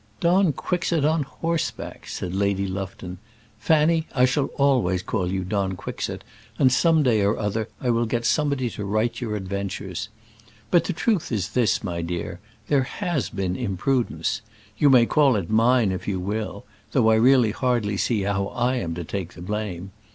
"Don Quixote on horseback!" said Lady Lufton. "Fanny, I shall always call you Don Quixote, and some day or other I will get somebody to write your adventures. But the truth is this, my dear: there has been imprudence. You may call it mine, if you will though I really hardly see how I am to take the blame.